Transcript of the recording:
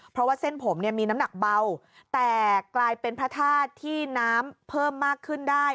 เพราะว่าเส้นผมเนี่ยมีน้ำหนักเบาแต่กลายเป็นพระธาตุที่น้ำเพิ่มมากขึ้นได้